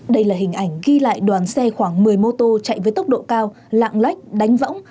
đây là hình ảnh ghi lại đoàn xe khoảng một mươi mô tô chạy với tốc độ cao lạng lách đánh võng